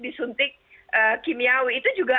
disuntik kimiawi itu juga